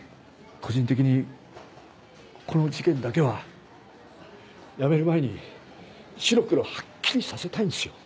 個人的にこの事件だけは辞める前に白黒はっきりさせたいんですよ。